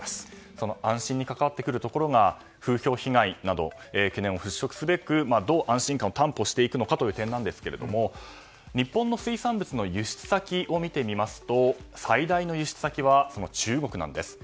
その安心に関わってくるところで風評被害など懸念を払拭すべくどう安心感を担保していくのかという点なんですが日本の水産物の輸出先を見てみますと最大の輸出先は中国なんです。